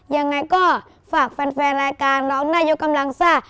ยังไงก็ฝากแฟนรายการร้องนายกกำลังซ่า